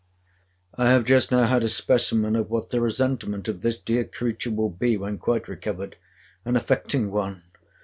I have just now had a specimen of what the resentment of this dear creature will be when quite recovered: an affecting one!